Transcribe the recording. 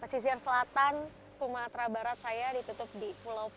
pesisir selatan yang saya ketonatan ke director